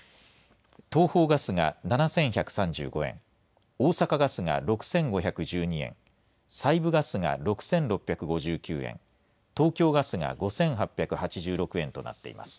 東邦ガスが７１３５円、大阪ガスが６５１２円、西部ガスが６６５９円、東京ガスが５８８６円となっています。